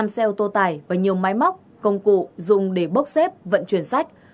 năm xe ô tô tải và nhiều máy móc công cụ dùng để bốc xếp vận chuyển sách